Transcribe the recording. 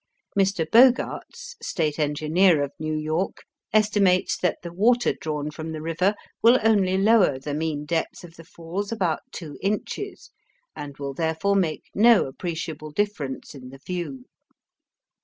Mr. Bogarts, State Engineer of New York, estimates that the water drawn from the river will only lower the mean depth of the Falls about two inches, and will therefore make no appreciable difference in the view.